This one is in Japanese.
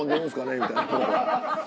みたいな。